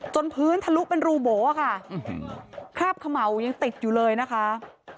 จนพื้นทะลุเป็นรูโบอะค่ะคราบเขม่ายังติดอยู่เลยนะคะ